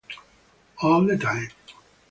All The Time.